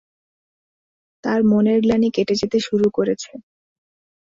তাঁর মনের গ্লানি কেটে যেতে শুরু করেছে।